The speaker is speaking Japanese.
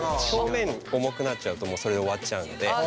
表面重くなっちゃうともうそれで終わっちゃうので。